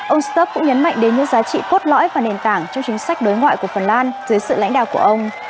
ông stub cũng nhấn mạnh đến những giá trị cốt lõi và nền tảng trong chính sách đối ngoại của phần lan dưới sự lãnh đạo của ông